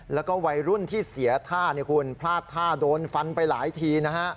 แล้วก็วัยรุ่นที่เสียท่าเนี่ยคุณพลาดท่าโดนฟันไปหลายทีนะฮะ